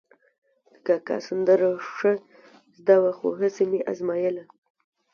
د کاکا سندره ښه زده وه، خو هسې مې ازمایله.